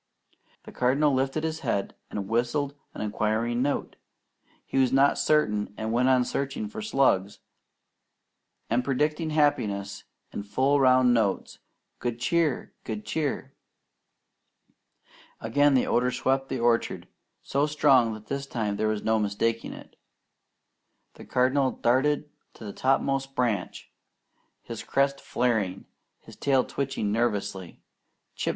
The Cardinal lifted his head and whistled an inquiring note. He was not certain, and went on searching for slugs, and predicting happiness in full round notes: "Good Cheer! Good Cheer!" Again the odour swept the orchard, so strong that this time there was no mistaking it. The Cardinal darted to the topmost branch, his crest flaring, his tail twitching nervously. "Chip!